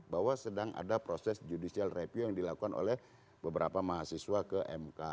bahwa sedang ada proses judicial review yang dilakukan oleh beberapa mahasiswa ke mk